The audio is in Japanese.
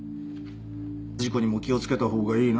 事故にも気を付けた方がいいな。